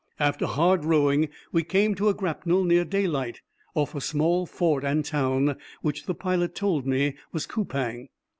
After hard rowing, we came to a grapnel near daylight, off a small fort and town, which the pilot told me was Coupang.